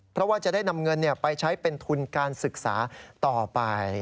เพราะว่าจะได้นำเงินไปใช้เป็นทุนการศึกษาต่อไป